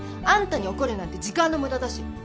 あんたに怒るなんて時間の無駄だし。